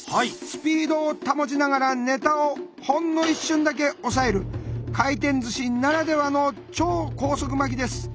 スピードを保ちながらネタをほんの一瞬だけ押さえる回転寿司ならではの超高速巻きです。